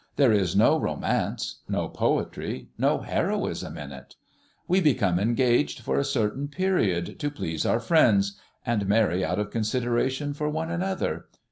There is no romance, no poetry, no heroism in it. We become engaged for a certain period to please our friends, and marry out of consideration for one another.